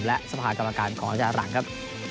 และสภากรรมการของอาจารย์หลังครับ